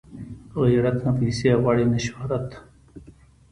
غیرت نه پیسې غواړي نه شهرت